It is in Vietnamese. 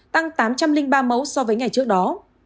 tăng tám trăm linh ba mẫu so với ngày trước đó